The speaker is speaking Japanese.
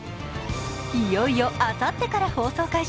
いよいよ、あさってから放送開始